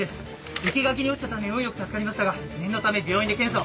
生け垣に落ちたため運良く助かりましたが念のため病院で検査を。